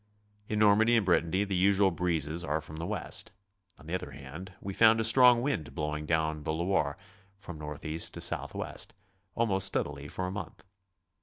In Normandy and Brittany the usual breezes are from the west. On the other hand, we found a strong wdnd blowing down the Loire, from north east to southwest, almost steadily for a month.